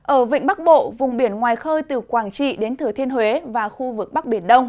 ở vịnh bắc bộ vùng biển ngoài khơi từ quảng trị đến thừa thiên huế và khu vực bắc biển đông